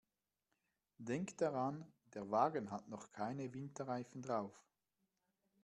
Denk daran, der Wagen hat noch keine Winterreifen drauf.